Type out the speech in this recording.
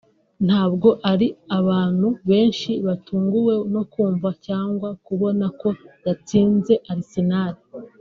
ntabwo ari abantu benshi batunguwe no kumva cyangwa kubona ko yatsinze Arsenal